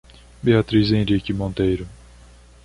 Beatriz Henrique Monteiro